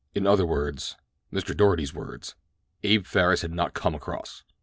In other words—Mr. Doarty's words—Abe Farris had not come across.